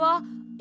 え！